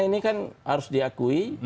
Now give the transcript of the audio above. ini kan harus diakui